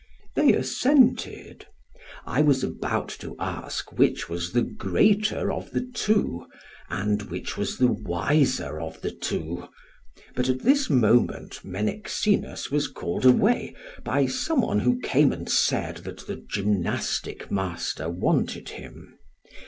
"They assented. I was about to ask which was the greater of the two, and which was the wiser of the two; but at this moment Menexenus was called away by some one who came and said that the gymnastic master wanted him.